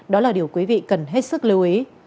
đó là điều quý vị cần hết sức lưu ý